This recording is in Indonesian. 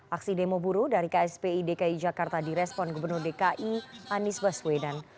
aksi demo buruh dari kspi dki jakarta direspon gubernur dki anies baswedan